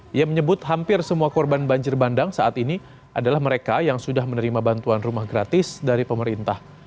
dia menyebut hampir semua korban banjir bandang saat ini adalah mereka yang sudah menerima bantuan rumah gratis dari pemerintah